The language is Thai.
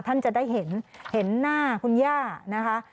ท่านจะได้เห็นเห็นหน้าคุณย่านะคะ